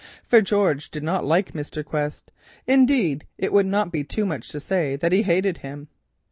For George did not like Mr. Quest. Indeed, it would not be too much to say that he hated him.